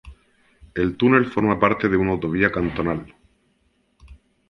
El túnel forma parte de una autovía cantonal.